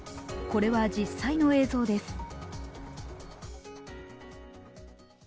これは実際の映像です。